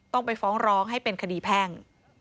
ต้องไปฟ้องร้องให้เป็นคดีแพ่ง